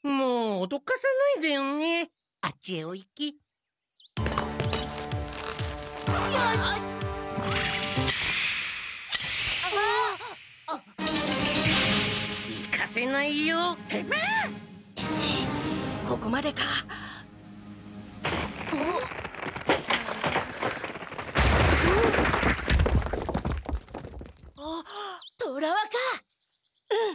うん！